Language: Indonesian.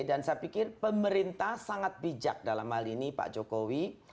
dan saya pikir pemerintah sangat bijak dalam hal ini pak jokowi